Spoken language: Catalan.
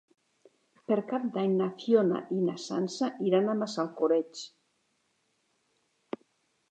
Per Cap d'Any na Fiona i na Sança iran a Massalcoreig.